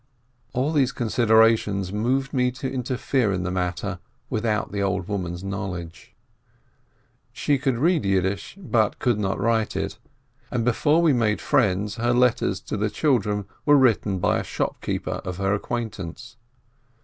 All these considerations moved me to interfere in the matter without the old woman's knowledge. She could read Yiddish, but could not write it, and before we made friends, her letters to the children were written by a shopkeeper of her acquaintance.